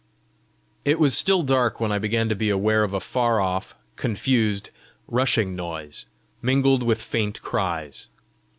It was still dark when I began to be aware of a far off, confused, rushing noise, mingled with faint cries.